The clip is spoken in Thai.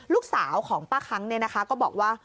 ลูกสาวของป้าค้างเนี่ยนะคะก็บอกว่า